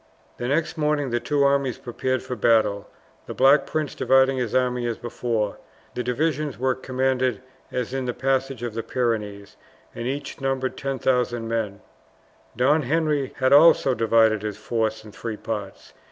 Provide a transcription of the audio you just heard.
The next morning the two armies prepared for battle, the Black Prince dividing his army as before. The divisions were commanded as in the passage of the Pyrenees, and each numbered 10,000 men. Don Henry had also divided his force in three parts.